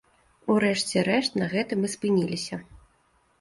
У рэшце рэшт, на гэтым і спыніліся.